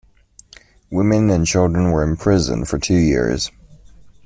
Women and children were imprisoned for two years.